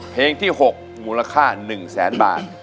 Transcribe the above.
เพลงที่๖มูลค่า๑๐๐๐๐๐บาท